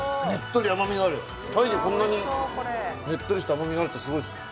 鯛でこんなにねっとりした甘みがあるってスゴいっすね